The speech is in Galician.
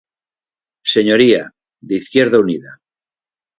Señoría, de Izquierda Unida.